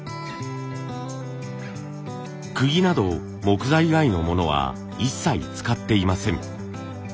くぎなど木材以外のものは一切使っていません。